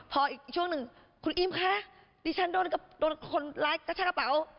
พออีกช่วงหนึ่งคุณอิมคะดิฉันโดนคนร้ายกระชากระเป๋า